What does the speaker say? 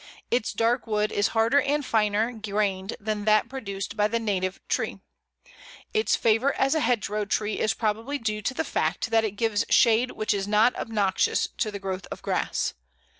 Its dark wood is harder and finer grained than that produced by the native tree. Its favour as a hedgerow tree is probably due to the fact that it gives shade which is not obnoxious to the growth of grass.